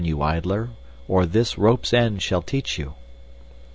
you idler, or this rope's end shall teach you.